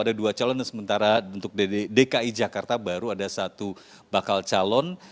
ada dua calon dan sementara untuk dki jakarta baru ada satu bakal calon